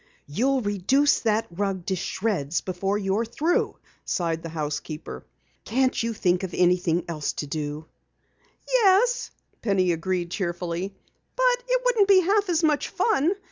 "You'll reduce that rug to shreds before you're through," sighed the housekeeper. "Can't you think of anything else to do?" "Yes," agreed Penny cheerfully, "but it wouldn't be half as much fun.